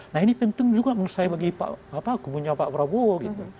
nah ini penting juga menurut saya bagi kubunya pak prabowo gitu